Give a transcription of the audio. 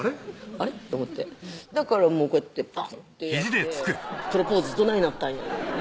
あれっと思ってだからこうやってバンってやって「プロポーズどないなったんや」